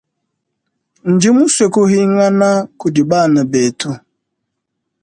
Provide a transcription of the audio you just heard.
Ndimusue kuhingana kudi bana betu.